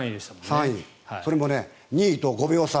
それも２位と５秒差。